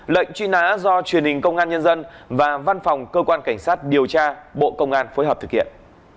lệnh truy nã do truyền hình công an nhân dân và văn phòng cơ quan cảnh sát điều tra bộ công an phối hợp thực hiện